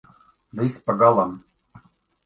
Viss pagalam!